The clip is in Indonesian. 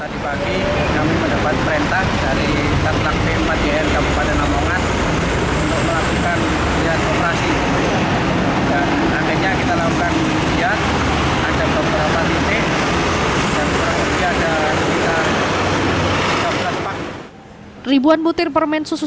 di bukaan petugas menyita ribuan butir permen susu